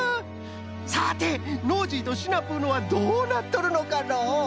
さてノージーとシナプーのはどうなっとるのかのう？